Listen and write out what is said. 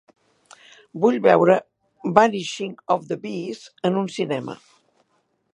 Vull veure Vanishing of the Bees en un cinema.